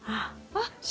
あっ。